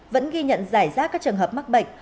vẫn ghi nhận giải rác các trường hợp mắc bệnh